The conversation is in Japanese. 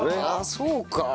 ああそうか。